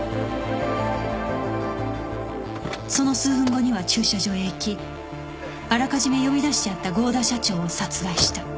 その数分後には駐車場へ行きあらかじめ呼び出してあった合田社長を殺害した。